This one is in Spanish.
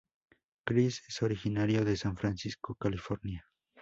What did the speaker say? Criss es originario de San Francisco, California.